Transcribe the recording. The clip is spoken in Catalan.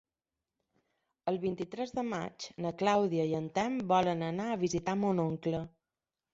El vint-i-tres de maig na Clàudia i en Telm volen anar a visitar mon oncle.